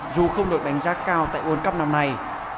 dù không được đánh giá cao tại world cup năm nay